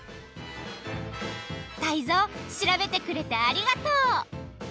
タイゾウしらべてくれてありがとう。